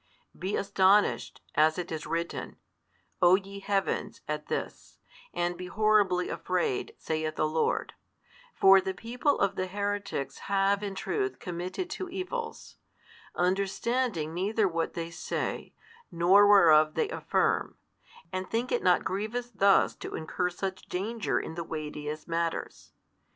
Be astonished, as it is written, O ye heavens, at this: and be horribly afraid, saith the Lord: for the people of the heretics have in truth committed two evils, understanding neither what they say, nor whereof they affirm, and think it not grievous thus to incur such danger in the weightiest matters.